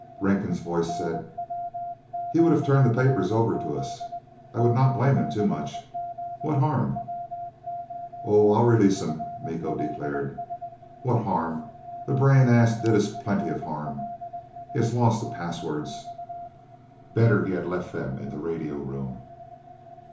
Rankin's voice said: "He would have turned the papers over to us. I would not blame him too much. What harm " "Oh, I'll release him," Miko declared. "What harm? That braying ass did us plenty of harm. He has lost the passwords. Better he had left them in the radio room."